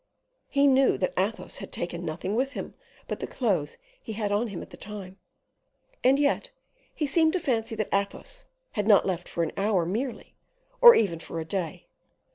He knew that Athos had taken nothing with him but the clothes he had on him at the time; and yet he seemed to fancy that Athos had not left for an hour merely; or even for a day.